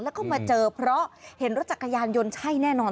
แล้วก็มาเจอเพราะเห็นรถจักรยานยนต์ใช่แน่นอน